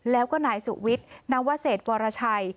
แล้วก็นายสุวิทย์นวเศษวรชัย